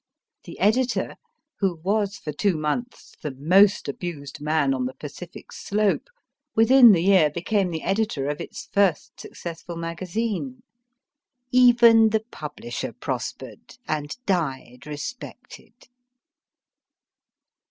The editor, who was for two months the most abused man on the Pacific slope, within the year became the editor of its first successful magazine. Even the publisher prospered, and died respected